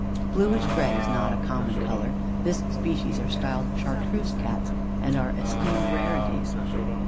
Bluish grey is not a common colour; this species are styled "Chartreux Cats," and are esteemed rarities.